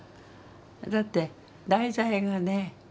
だって題材がね